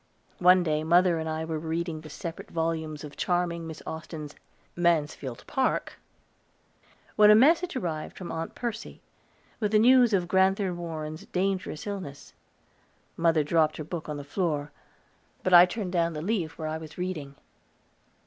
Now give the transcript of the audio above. One day mother and I were reading the separate volumes of charming Miss Austen's "Mansfield Park," when a message arrived from Aunt Mercy, with the news of Grand'ther Warren's dangerous illness. Mother dropped her book on the floor, but I turned down the leaf where I was reading.